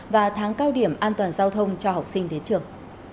và tháng cao điểm an toàn giao thông cho học sinh đến trường